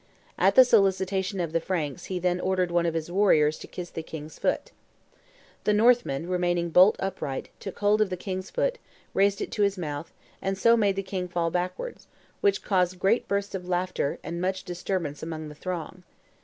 At the solicitation of the Franks he then ordered one of his warriors to kiss the king's foot. The Northman, remaining bolt upright, took hold of the king's foot, raised it to his mouth, and so made the king fall backward, which caused great bursts of laughter and much disturbance amongst the throng.